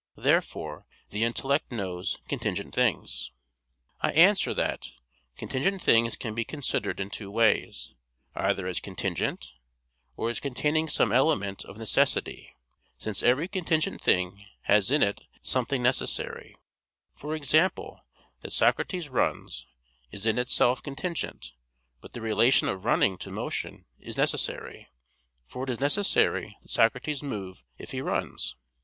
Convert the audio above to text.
Therefore the intellect knows contingent things. I answer that, Contingent things can be considered in two ways; either as contingent, or as containing some element of necessity, since every contingent thing has in it something necessary: for example, that Socrates runs, is in itself contingent; but the relation of running to motion is necessary, for it is necessary that Socrates move if he runs.